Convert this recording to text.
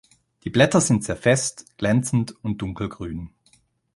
Die Blätter sind sehr fest, glänzend und dunkelgrün.